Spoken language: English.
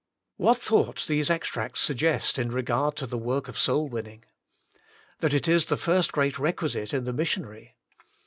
'' What thoughts these extracts suggest in regard to the work of soul winning ! That it is the first great requisite in the missionary.